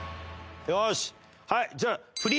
よしはいじゃあ。